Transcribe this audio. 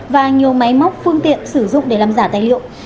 và nhiều máy móc phương tiện sử dụng để làm giả tài liệu